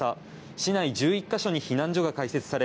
市内１１か所に避難所が開設され